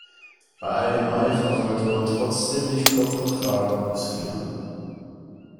Bei all dem Eifer sollte man trotzdem nicht Kopf und Kragen riskieren.